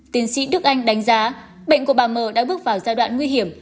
tiến sĩ đức anh đánh giá bệnh của bà mờ đã bước vào giai đoạn nguy hiểm